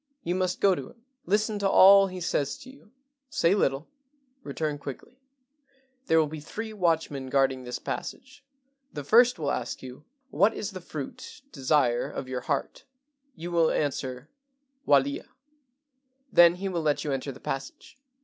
You must go to him. Listen to all he says to you. Say little. Return quickly. There will be three watchmen guarding this passage. The first will ask you, ' What is the fruit [desire] of your heart? ' You will answer, 'Walia.' Then he will let you enter the passage.